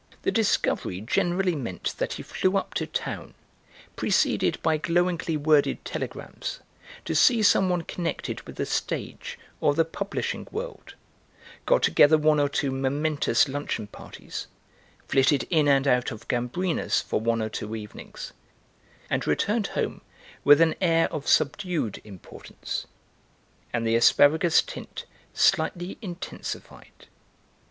The discovery generally meant that he flew up to town, preceded by glowingly worded telegrams, to see some one connected with the stage or the publishing world, got together one or two momentous luncheon parties, flitted in and out of "Gambrinus" for one or two evenings, and returned home with an air of subdued importance and the asparagus tint slightly intensified.